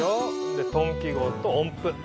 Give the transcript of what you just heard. でト音記号と音符。